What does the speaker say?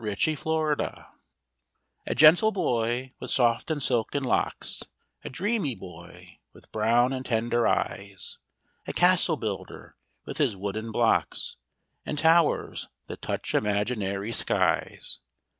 THE CASTLE BUILDER A gentle boy, with soft and silken locks A dreamy boy, with brown and tender eyes, A castle builder, with his wooden blocks, And towers that touch imaginary skies.